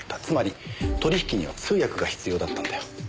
つまり取引には通訳が必要だったんだよ。